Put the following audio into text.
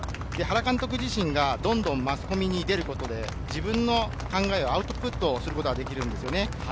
原監督自身がどんどんマスコミに出ることで自分の考えをアウトプットすることができるんです。